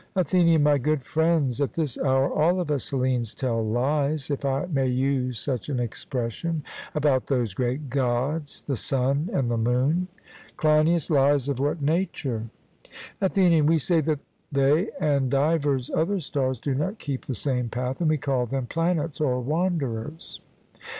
ATHENIAN: My good friends, at this hour all of us Hellenes tell lies, if I may use such an expression, about those great Gods, the Sun and the Moon. CLEINIAS: Lies of what nature? ATHENIAN: We say that they and divers other stars do not keep the same path, and we call them planets or wanderers.